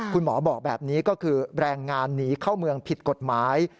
คุณหมอบอกแบบนี้ก็คือแรงงานหนีเข้าเมืองผิดกฎหมาย